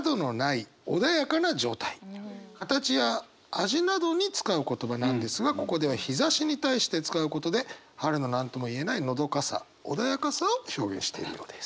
形や味などに使う言葉なんですがここでは日ざしに対して使うことで春の何とも言えないのどかさ穏やかさを表現しているようです。